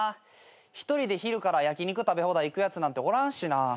１人で昼から焼き肉食べ放題行くやつなんておらんしな。